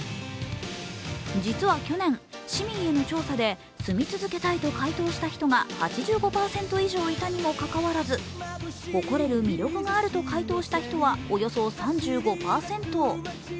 実は去年、市民への調査で住み続けたいと回答した人が８５％以上いたにもかかわらず、誇れる魅力があると回答した人はおよそ３５％。